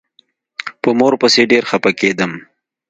په مور پسې ډېر خپه کېدم.